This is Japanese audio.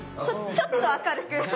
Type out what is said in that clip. ちょっちょっと明るく。